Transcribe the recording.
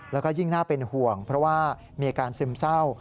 แล้วก็ยิ่งน่าเป็นห่วงเพราะว่ามีอาการซึมเศร้า